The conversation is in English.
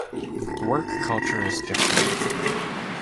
The work culture is different.